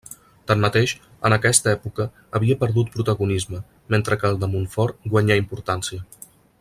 Tanmateix, en aquesta època havia perdut protagonisme, mentre que el de Montfort guanyà importància.